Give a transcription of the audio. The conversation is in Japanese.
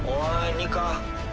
ニカ？